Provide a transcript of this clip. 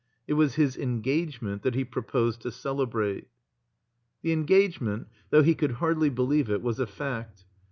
It was his engagement that he proposed to celebrate. The engagement, though he could hardly believe it, was a fact.